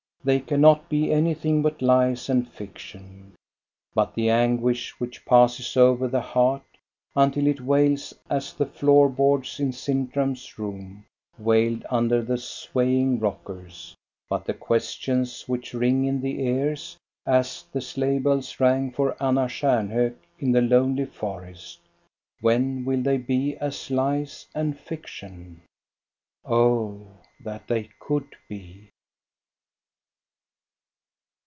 They cannot be anything but lies and fiction. But the anguish which passes over the heart, until it wails as the floor boards in Sintram *s room wailed under the swaying rockers ; but the questions which ring in the ears, as the sleigh bells rang for Anna Stjarnhok in the lonely forest, — when will they be as lies and fiction } Oh, that they could be